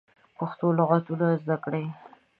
پښتو لغاتونه زده کړی